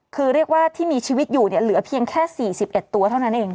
คือมีชีวิตเหลือเพียงแค่๔๑ตัวเท่านั้นเอง